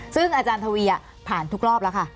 ซึ่งอาจารย์ทวีตรงเป้าที่ผ่านทุกรอบแล้วค่ะ